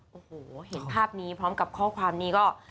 โอ้โหเห็นภาพนี้พร้อมกับข้อความนี้ก็